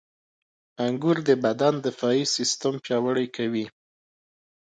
• انګور د بدن دفاعي سیستم پیاوړی کوي.